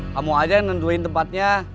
kamu aja yang nentuin tempatnya